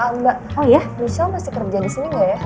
mbak michelle masih kerja disini engga ya